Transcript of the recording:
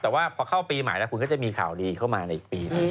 แต่ว่าพอเข้าปีใหม่แล้วคุณก็จะมีข่าวดีเข้ามาในอีกปีหนึ่ง